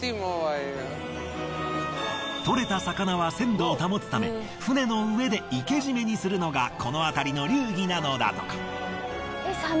獲れた魚は鮮度を保つため船の上で活けじめにするのがこのあたりの流儀なのだとか。